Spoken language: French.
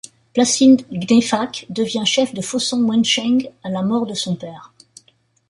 Placide Nguefack devient chef de Fossong-Wentcheng à la mort de son père.